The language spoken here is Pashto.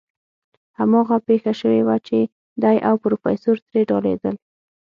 هماغه پېښه شوې وه چې دی او پروفيسر ترې ډارېدل.